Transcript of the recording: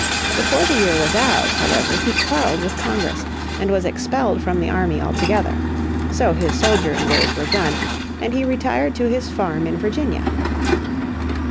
Before the year was out, however, he quarreled with Congress, and was expelled from the army altogether. So his soldiering days were done, and he retired to his farm in Virginia.